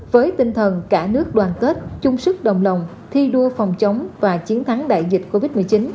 với tinh thần cả nước đoàn kết chung sức đồng lòng thi đua phòng chống và chiến thắng đại dịch covid một mươi chín